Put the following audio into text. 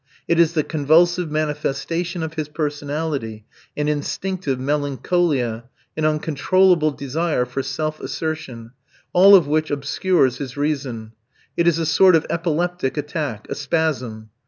It is the convulsive manifestation of his personality, an instinctive melancholia, an uncontrollable desire for self assertion, all of which obscures his reason. It is a sort of epileptic attack, a spasm.